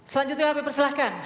selanjutnya p persilahkan